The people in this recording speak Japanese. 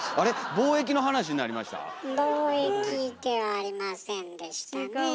貿易ではありませんでしたねえ。